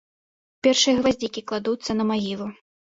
Першыя гваздзікі кладуцца на магілу.